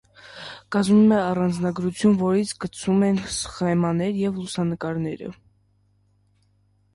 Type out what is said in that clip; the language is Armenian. Կազմվում է արձանագրություն, որին կցվում են սխեմաներն ու լուսանկարները։